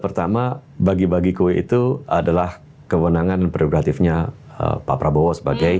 pertama bagi bagi kue itu adalah kewenangan prerogatifnya pak prabowo sebagai